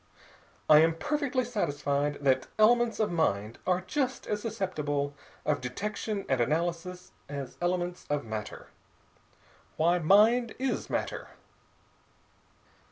"I am perfectly satisfied that elements of mind are just as susceptible of detection and analysis as elements of matter. Why, mind is matter.